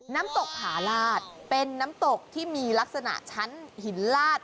น้ำตกผาลาดเป็นน้ำตกที่มีลักษณะชั้นหินลาด